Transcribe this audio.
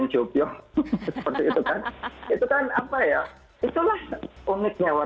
nah mereka nonton drama